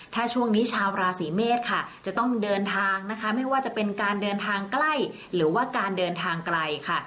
ถ้าช่วงนี้ชาวราศีเมษค่ะจะต้องเดินทางนะคะไม่ว่าจะเป็นการเดินทางใกล้หรือว่าการเดินทางไกลค่ะ